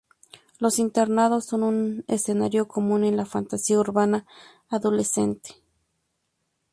Los internados son un escenario común en la fantasía urbana adolescente.